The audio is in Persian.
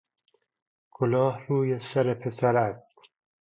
کلاه روی سر پسر است